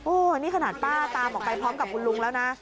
นี่ขนาดป้าตามออกไปพร้อมกับคุณลุงแล้วนะ